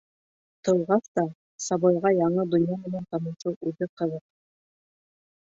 Тыуғас та, сабыйға яңы донъя менән танышыу үҙе ҡыҙыҡ.